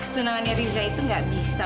tunangannya riza itu nggak bisa